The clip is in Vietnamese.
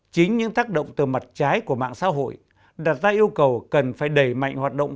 chính những tác động từ mặt trái của mạng xã hội đặt ra yêu cầu cần phải đẩy mạnh hoạt động